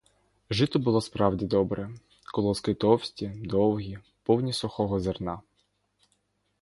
Жито було справді добре: колоски товсті, довгі, повні сухого зерна.